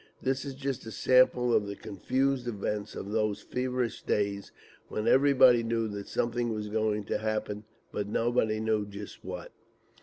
This is just a sample of the confused events of those feverish days, when everybody knew that something was going to happen, but nobody knew just what.